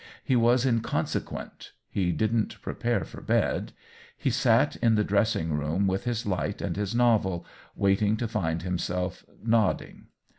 He was inconsequent — he didn't prepare for bed. He sat in the dressing room with his light and his novel, waiting to find himself nodding.